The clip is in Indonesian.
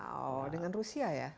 wow dengan rusia ya